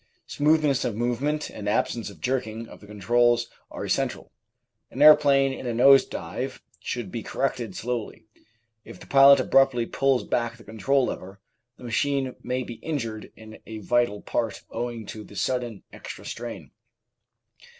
Smooth ness of movement and absence of jerking of the controls are essential. An aeroplane in a nose dive should be corrected slowly. If the pilot abruptly pulls back the control lever, the machine may be injured in a vital part, owing to the sudden extra strain.